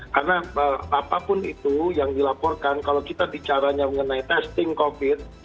karena apapun itu yang dilaporkan kalau kita bicaranya mengenai testing covid